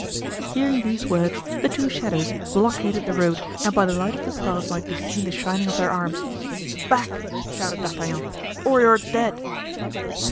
Hearing these words, the two shadows blockaded the road and by the light of the stars might be seen the shining of their arms. "Back!" shouted D'Artagnan, "or you are dead!"